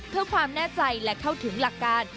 เพื่อความแน่ใจและเข้าถึงหลักการ